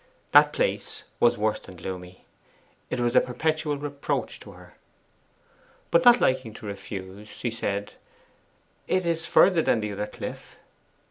That place was worse than gloomy, it was a perpetual reproach to her. But not liking to refuse, she said, 'It is further than the other cliff.